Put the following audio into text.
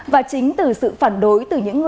và chính từ sự phản đối